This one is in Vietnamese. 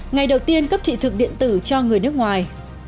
ngày đầu tiên cấp thị thực điện tử cho người nước ngoài